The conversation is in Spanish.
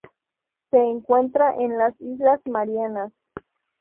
Se encuentra en las Islas Marianas.